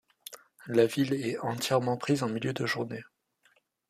La ville est entièrement prise en milieu de journée.